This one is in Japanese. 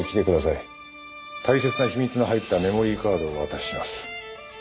大切な秘密の入ったメモリーカードをお渡しします。